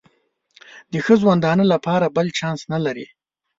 د ښه ژوندانه لپاره بل چانس نه لري.